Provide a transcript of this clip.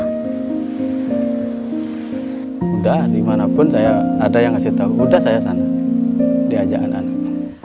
sudah dimanapun saya ada yang kasih tahu sudah saya sana diajarkan anak anak